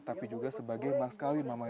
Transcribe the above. tapi juga sebagai maskawin mama ya